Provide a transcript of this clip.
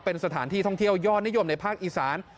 เป็นสถานที่ท่องเที่ยวยอดนิยมในภาคอีสาน